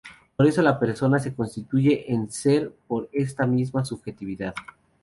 Por ende La persona se constituye en ser por esta misma subjetividad.